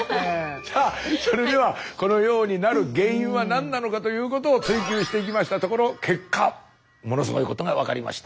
さあそれではこのようになる原因は何なのかということを追究していきましたところ結果ものすごいことが分かりました。